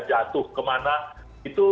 jatuh kemana itu